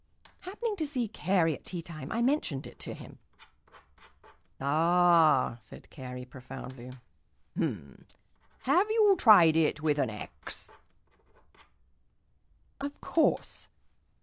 Happening to see Carey at teatime, I mentioned it to him. "Ah," said Carey profoundly. "H'm. Have you tried it with an 'x'?" "Of course."